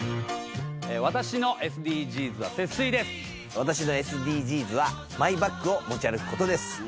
私のＳＤＧｓはマイバッグを持ち歩くことです